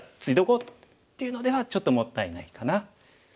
こうっていうのではちょっともったいないかな。